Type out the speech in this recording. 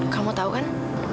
kamu tau kan